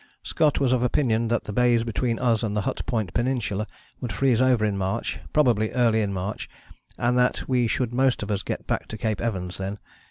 Scott was of opinion that the bays between us and the Hut Point Peninsula would freeze over in March, probably early in March, and that we should most of us get back to Cape Evans then.